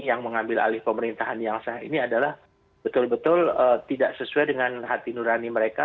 yang mengambil alih pemerintahan yang sah ini adalah betul betul tidak sesuai dengan hati nurani mereka